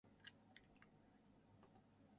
It was her third novel and second collection.